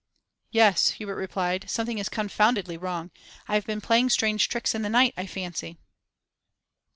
'Yes,' Hubert replied, 'something is confoundedly wrong. I have been playing strange tricks in the night, I fancy.